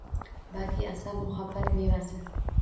Badiiy asar — muhabbat mevasi.